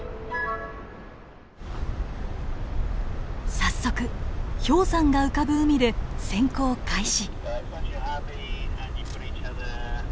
早速氷山が浮かぶ海で潜航開始！